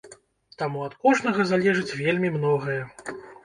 Таму ад кожнага залежыць вельмі многае.